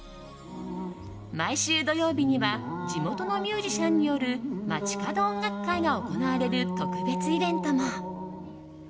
毎週土曜日には地元のミュージシャンによる街角音楽会が行われる特別イベントも。